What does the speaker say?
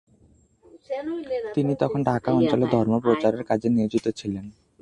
তিনি তখন ঢাকা অঞ্চলে ধর্ম প্রচারের কাজে নিয়োজিত ছিলেন।